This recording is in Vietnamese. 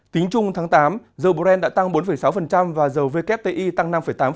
tính chung tháng tám dầu brent đã tăng bốn sáu và dầu wti tăng năm tám